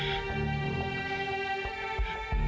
apa yang akan terjadi